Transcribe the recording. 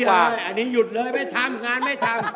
อันนี้หยุดเลยไม่ทำงานไม่ทำ